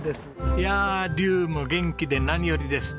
いやりゅうも元気で何よりです。